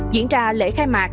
diễn ra lễ khai mạc